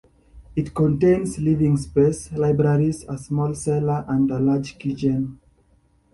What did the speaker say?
It contains living spaces, libraries, a small cellar and a large kitchen.